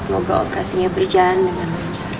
semoga operasinya berjalan dengan